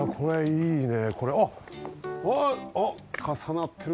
いいね。